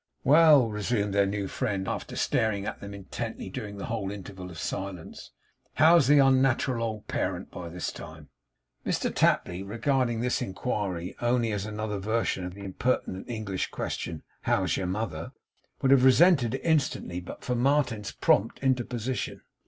'Well!' resumed their new friend, after staring at them intently during the whole interval of silence; 'how's the unnat'ral old parent by this time?' Mr Tapley regarding this inquiry as only another version of the impertinent English question, 'How's your mother?' would have resented it instantly, but for Martin's prompt interposition.